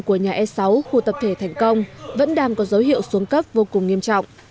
của nhà e sáu khu tập thể thành công vẫn đang có dấu hiệu xuống cấp vô cùng nghiêm trọng